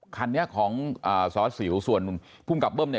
คันนี้ของสวรรค์สวรรค์สวรรค์สวรรค์พูมกับเบิ้มเนี่ย